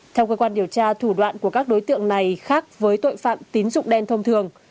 theo cơ quan điều tra thủ đoạn của các đối tượng này khác với tội phạm tín dụng đen thông thường